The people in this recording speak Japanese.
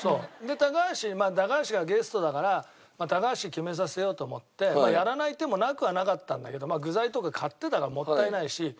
高橋がゲストだから高橋に決めさせようと思ってやらない手もなくはなかったんだけど具材とか買ってたからもったいないし。